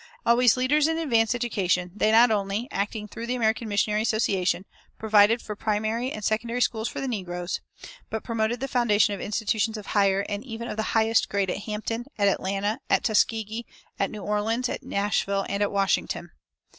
Always leaders in advanced education, they not only, acting through the American Missionary Association, provided for primary and secondary schools for the negroes, but promoted the foundation of institutions of higher, and even of the highest, grade at Hampton, at Atlanta, at Tuskegee, at New Orleans, at Nashville, and at Washington.